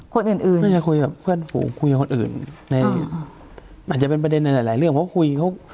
คนอื่นอื่นน่าจะคุยกับเพื่อนฝูงคุยกับคนอื่นในอาจจะเป็นประเด็นในหลายเรื่องเพราะคุยเขา